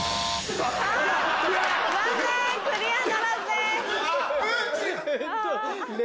残念クリアならずです。